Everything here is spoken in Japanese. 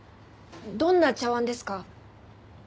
どんな茶碗ですか？